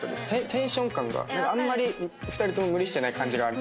テンション感があんまり２人とも無理してない感じがある。